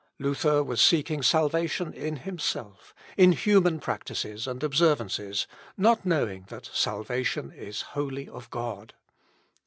Luther was seeking salvation in himself, in human practices and observances, not knowing that salvation is wholly of God.